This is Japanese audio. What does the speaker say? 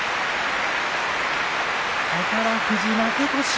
宝富士、負け越し。